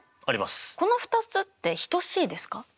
この２つって等しいですか？